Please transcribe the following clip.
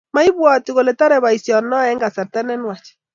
maibwiti kole torei boisionoe eng kasarta ne nuach